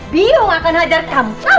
biong akan hadir kamu